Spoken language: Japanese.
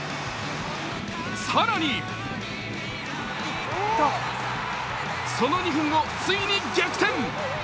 更にその２分後、ついに逆転。